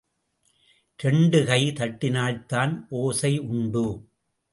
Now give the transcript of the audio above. இரண்டு கை தட்டினால்தான் ஓசை உண்டு.